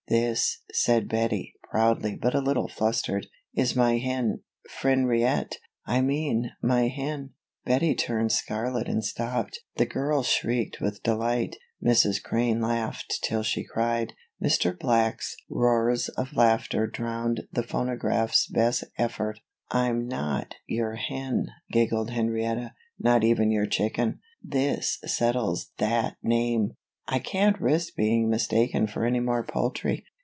"This," said Bettie, proudly but a little flustered, "is my hen, Frenriet I mean, my hen " Bettie turned scarlet and stopped. The girls shrieked with delight. Mrs. Crane laughed till she cried. Mr. Black's roars of laughter drowned the phonograph's best effort. "I'm not your hen," giggled Henrietta. "Not even your chicken. This settles that name I can't risk being mistaken for any more poultry."